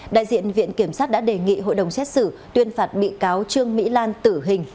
đại diện viện kiểm sát đã đề nghị hội đồng xét xử tuyên phạt bị cáo trương mỹ lan tử hình